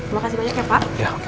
makasih banyak ya pak